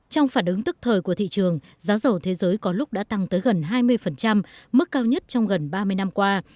trong phản ứng tức thời của thị trường giá dầu thế giới có lúc đã tăng tới gần hai mươi mức cao nhất trong gần ba mươi năm qua